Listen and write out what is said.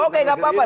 oke gak apa apa